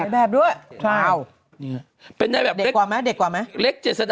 แม้ไและกาลเมซ